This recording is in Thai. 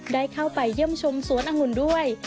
ได้เข้าไปเยี่ยมชมสวนองุ่นด้วย